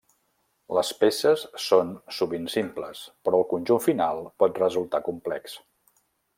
Les peces són sovint simples, però el conjunt final pot resultar complex.